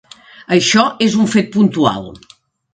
Això és un fet puntual.